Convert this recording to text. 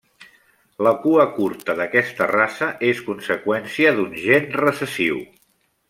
La cua curta d'aquesta raça és conseqüència d'un gen recessiu.